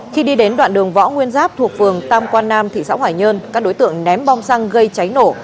khi đi đến đoạn đường võ nguyên giáp thuộc phường tam quan nam thị xã hoài nhơn các đối tượng ném bom xăng gây cháy nổ